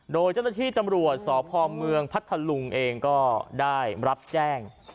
โดยเจ้าหน้าที่ตำรวจสพเมืองพัทธลุงเองก็ได้รับแจ้ง